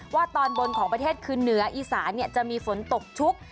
ตอนบนของประเทศคือเหนืออีสานจะมีฝนตกชุก